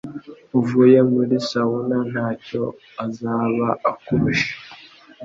uvuye muri sauna ntacyo azaba akurusha.